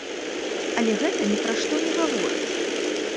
Але гэта ні пра што не гаворыць!